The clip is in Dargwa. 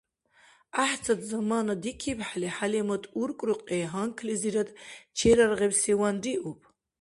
ГӀяхӀцад замана дикибхӀели ХӀялимат уркӀрухъи гьанкӀлизирад чераргъибсиван риуб.